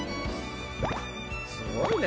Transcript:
すごいね。